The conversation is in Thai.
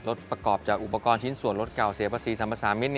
รถประกอบจากอุปกรณ์อุปกรณ์ชิ้นสวนรถเก่าเสียภาษี๓๓มิตร